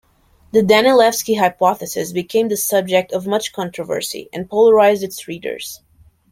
The Danilevsky hypothesis became the subject of much controversy and polarised its readers.